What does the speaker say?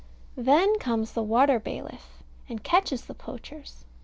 Then comes the water bailiff, and catches the poachers.